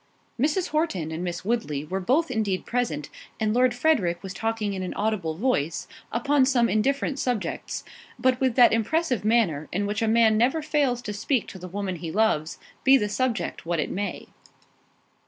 Mrs. Horton and Miss Woodley were both indeed present, and Lord Frederick was talking in an audible voice, upon some indifferent subjects; but with that impressive manner, in which a man never fails to speak to the woman he loves, be the subject what it may.